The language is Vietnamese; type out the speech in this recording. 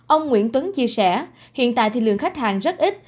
ông nguyễn tuấn chia sẻ hiện tại thì lượng khách hàng rất ít